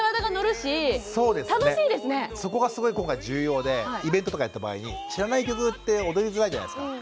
そこがすごい今回重要でイベントとかやった場合に知らない曲って踊りづらいじゃないですか。